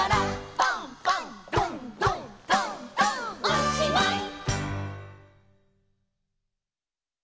「おしまい！」